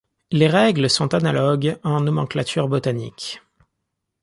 Les règles sont analogues en nomenclature botanique.